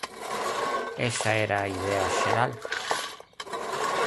Esa era a idea xeral.